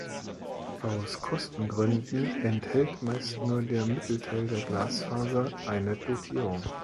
Aus Kostengründen enthält meist nur der Mittelteil der Glasfaser eine Dotierung.